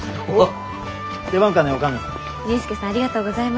迅助さんありがとうございます。